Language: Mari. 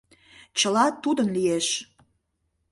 — Чыла тудын лиеш.